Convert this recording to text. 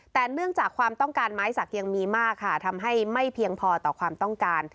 แต่เนื่องจากความต้องการไม้สักยังมีมากค่ะทำให้ไม่เพียงพอต่อความต้องการ